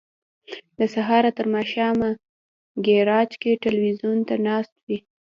له سهاره تر ماښامه ګراج کې ټلویزیون ته ناست وي.